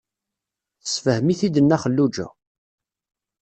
Tessefhem-it-id Nna Xelluǧa.